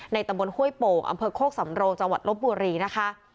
ในตำบลฮวยโปอำเภอโคกสำโลงจรบบุรีนะคะ